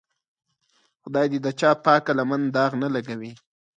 خدای دې د چا پاکه لمن داغ نه لګوي.